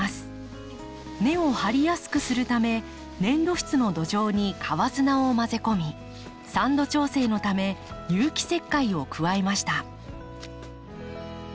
根を張りやすくするため粘土質の土壌に川砂を混ぜ込み酸度調整のため有機石灰を加えました。